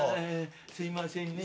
すいませんね。